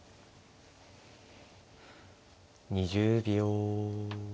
２０秒。